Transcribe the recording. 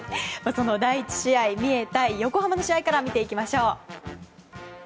その第１試合三重対横浜の試合から見ていきましょう。